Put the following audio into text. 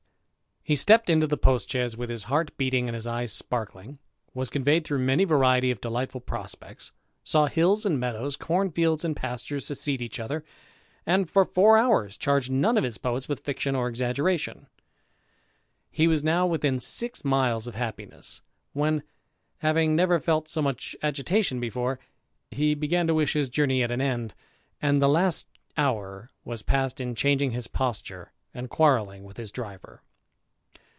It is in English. He stepped into the post chaise with his heart beating and his eyes sparkling, was conveyed through many varieties of delightful prospects, saw hills and meadows, corn fields and pasture, succeed each other, and for four hours charged none of his poets with fiction or exaggeration. He was now within six miles of happiness ; when, having never felt so much agitation before, he began to wish his journey at an end, and the last hour was passed in changing his posture, and quarrelling with his driver.